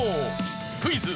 「クイズ！